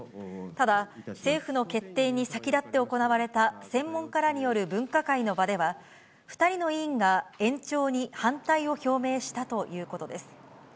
ただ、政府の決定に先立って行われた専門家らによる分科会の場では、２人の委員が延長に反対を表明したということです。